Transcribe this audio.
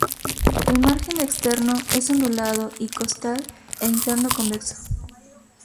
El margen externo es ondulado y costal e interno convexo.